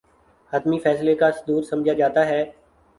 حتمی فیصلے کا صدور سمجھا جاتا ہے